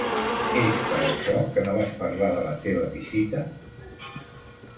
És per això que no vas parlar de la teva visita?